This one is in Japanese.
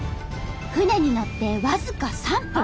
船に乗って僅か３分。